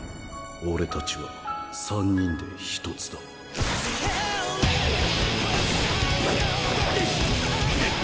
俺たちは三人で一つだドゴッ！